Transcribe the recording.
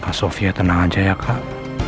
pak sofia tenang aja ya kak